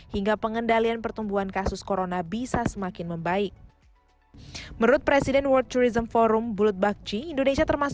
hingga pengendalian pertumbuhan kasus corona bisa semakin membaik menurut presiden world tourism forum